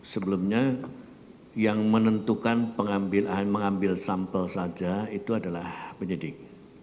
sebelumnya yang menentukan mengambil sampel saja itu adalah penyidik